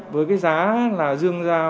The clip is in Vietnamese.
với cái giá là dương ra